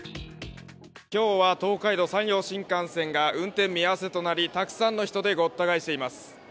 今日は東海道・山陽新幹線が運転見合わせとなりたくさんの人でごった返しています。